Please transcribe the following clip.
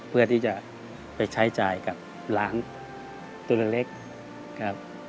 เพื่อที่จะไปใช้จ่ายกับร้านตัวเล็กครับ